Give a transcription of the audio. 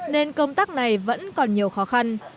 nên công tác này vẫn còn nhiều khó khăn